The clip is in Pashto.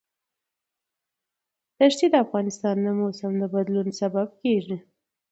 دښتې د افغانستان د موسم د بدلون سبب کېږي.